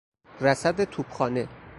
رسد توپخانه